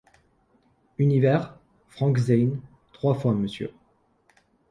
Univers, Frank Zane, trois fois Mr.